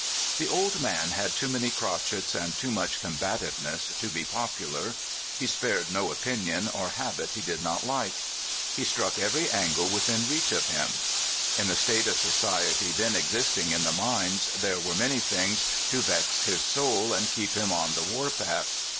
The old man had too many crotchets and too much combativeness to be popular. He spared no opinion or habit he did not like. He struck every angle within reach of him. In the state of society then existing in the mines there were many things to vex his soul and keep him on the war path!